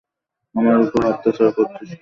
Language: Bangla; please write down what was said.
আমার উপর অত্যাচার করছিস কেন?